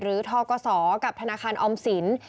หรือทกศกับธนาคารออมศิลป์